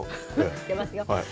知ってますよ。